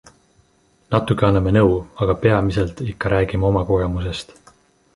Natuke anname nõu, aga peamiselt ikka räägime oma kogemusest.